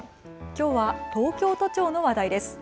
きょうは東京都庁の話題です。